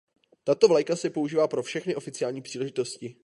Tato vlajka se používá pro všechny oficiální příležitosti.